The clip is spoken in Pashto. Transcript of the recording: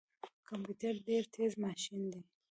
کمپيوټر ډیر تیز ماشین دی